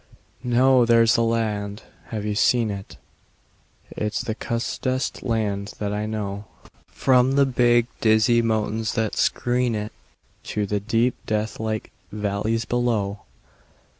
No! There's the land. (Have you seen it?) It's the cussedest land that I know, From the big, dizzy mountains that screen it To the deep, deathlike valleys below.